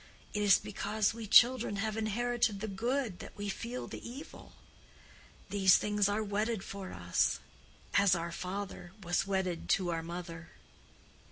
It is because we children have inherited the good that we feel the evil. These things are wedded for us, as our father was wedded to our mother."